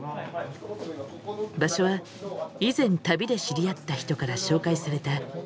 場所は以前旅で知り合った人から紹介された地元のバー。